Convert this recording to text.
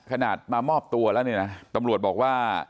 ขนาดมามอบตัวแล้วเนี่ยนะตำรวจบอกว่า